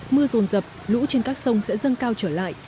mưa rồn rập lũ trên các sông sẽ dâng cao trở lại